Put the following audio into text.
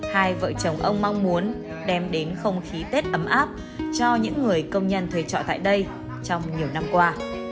hai vợ chồng ông mong muốn đem đến không khí tết ấm áp cho những người công nhân thuê trọ tại đây trong nhiều năm qua